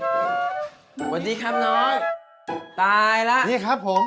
สวัสดีครับน้องตายแล้วนี่ครับผม